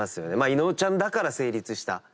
伊野尾ちゃんだから成立した。